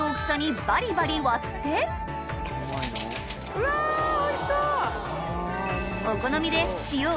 うわおいしそう！